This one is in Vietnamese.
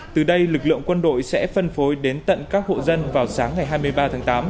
từ đây lực lượng quân đội sẽ phân phối đến tận các hộ dân vào sáng ngày hai mươi ba tháng tám